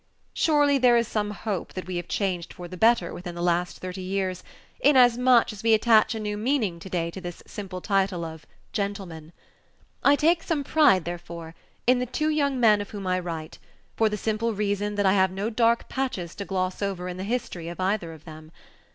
Surely there is some hope that we have changed for the better within the last thirty years, inasmuch as we attach a new meaning to day to this simple title of "gentleman." I take some pride, therefore, in the two young men of whom I write, for the simple reason that I have no dark patches to gloss over in the history of either of them.